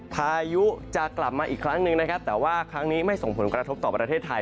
พายุจะกลับมาอีกครั้งหนึ่งนะครับแต่ว่าครั้งนี้ไม่ส่งผลกระทบต่อประเทศไทย